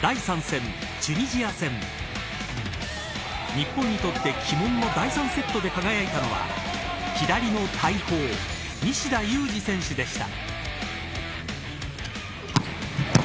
日本にとって鬼門の第３セットで輝いたのは左の大砲西田有志選手でした。